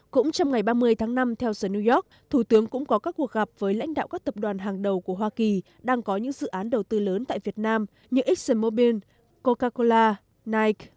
cũng trong ngày ba mươi tháng năm theo giờ new york thủ tướng cũng có các cuộc gặp với lãnh đạo các tập đoàn hàng đầu của hoa kỳ đang có những dự án đầu tư lớn tại việt nam như exxonmobil coca cola nige